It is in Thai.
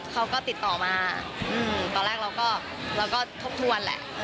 เขาก็ติดต่อมาตอนแรกเราก็ทบทวนแหละ